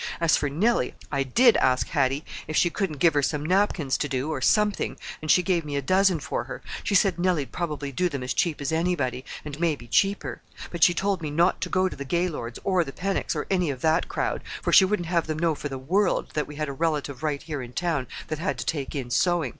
As for Nellie—I did ask Hattie if she couldn't give her some napkins to do, or something, and she gave me a dozen for her—she said Nellie'd probably do them as cheap as anybody, and maybe cheaper. But she told me not to go to the Gaylords or the Pennocks, or any of that crowd, for she wouldn't have them know for the world that we had a relative right here in town that had to take in sewing.